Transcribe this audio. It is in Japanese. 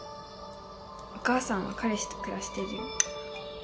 お母さんは彼氏と暮らしてるよ。